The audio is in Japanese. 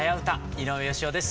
井上芳雄です。